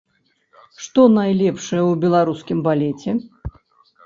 Што найлепшае ў беларускім балеце?